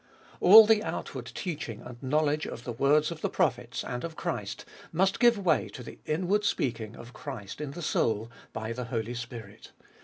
All the outward teaching and knowledge of the words of the prophets and of Christ must give way to the inward speaking of Christ in the soul by the Holy Spirit.